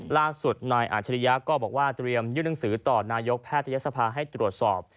ล่าสุดนายอาจริยะก็บอกว่าเตรียมยื่นหนังสือต่อนายกแพทยศภาให้ตรวจสอบ